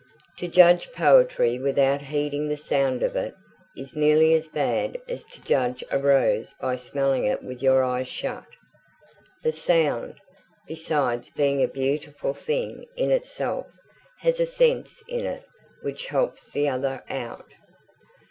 To judge poetry without heeding the sound of it, is nearly as bad as to judge a rose by smelling it with your eyes shut. The sound, besides being a beautiful thing in itself, has a sense in it which helps the other out.